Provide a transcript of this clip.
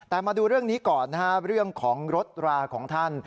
แต่มาดูเรื่องนี้ก่อนนะฮะเรื่องของรถราของท่าน